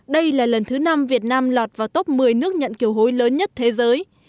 đây là lần thứ năm việt nam lọt vào top một mươi nước nhận kiều hối lớn nhất thế giới